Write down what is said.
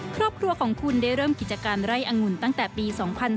ครอบครัวของคุณได้เริ่มกิจการไร่อังุ่นตั้งแต่ปี๒๔